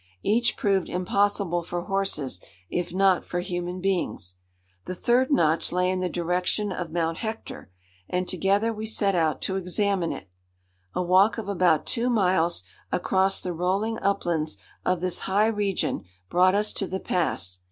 Each proved impossible for horses, if not for human beings. The third notch lay in the direction of Mount Hector, and together we set out to examine it. A walk of about two miles across the rolling uplands of this high region brought us to the pass.